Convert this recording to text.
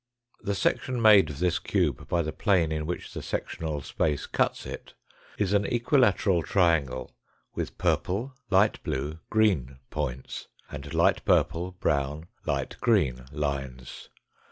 126. section made of this cube by the plane in which the sec tional space cuts it, is an equilateral triangle with purple, 1. blue, green points, and 1. purple, brown, 1. green lines.